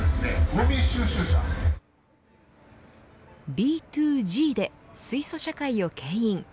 ＢｔｏＧで水素社会をけん引。